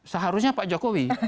seharusnya pak jokowi